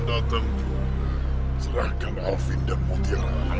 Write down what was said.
hahaha serahkan alvin sekarang